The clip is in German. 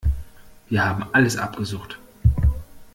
Wir haben alles abgesucht.